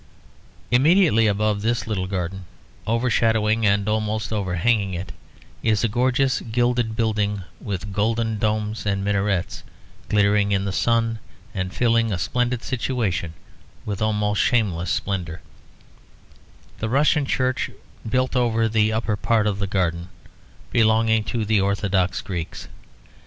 Immediately above this little garden, overshadowing and almost overhanging it, is a gorgeous gilded building with golden domes and minarets glittering in the sun, and filling a splendid situation with almost shameless splendour; the Russian church built over the upper part of the garden, belonging to the Orthodox Greeks.